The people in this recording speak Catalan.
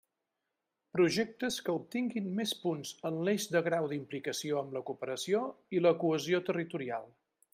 Projectes que obtinguin més punts en l'eix de grau d'implicació amb la cooperació i la cohesió territorial.